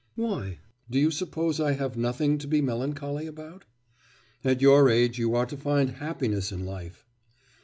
'Why? Do you suppose I have nothing to be melancholy about?' 'At your age you ought to find happiness in life.